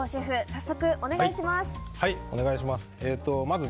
早速お願いします。